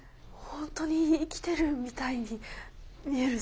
本当に生きてるみたいに見える。